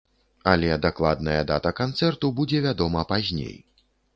Але дакладная дата канцэрту будзе вядома пазней.